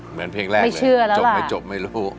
เหมือนเพลงแรกเลยจบไม่จบไม่รู้